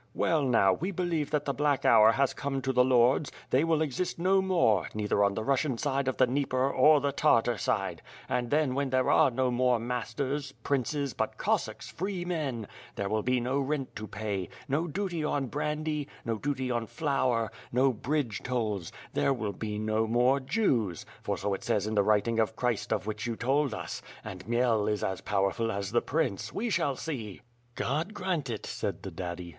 Well, now, we believe that the black hour has come to the lords; they will exist no more, neither on the Russian side of the Dnieper or the Tartar side; and then when there are no more masters, princes, but Cossacks, free men — ^there will be no rent to pay, no duty on brandy, no duty on flour, no bridge tolls; there will be no more Jews, for so it says in the writing of Christ of which you told us. And Khmel is as powerful as the prince; we shall see." "God grant it," said the daddy.